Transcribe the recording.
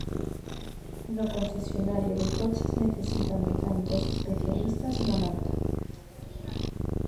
No concesionario de coches necesitan mecánicos especialistas na marca.